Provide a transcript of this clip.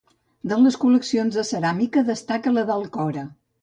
De les col·leccions de ceràmica destaca la d'Alcora.